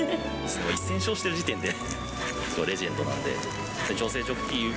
１０００勝してる時点で、レジェンドなんで。